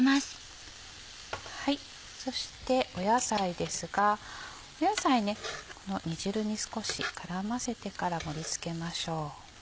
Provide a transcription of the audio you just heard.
そして野菜ですが野菜ねこの煮汁に少し絡ませてから盛り付けましょう。